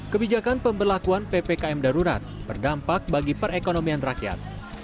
kebijakan pemberlakuan ppkm darurat berdampak bagi perekonomian rakyat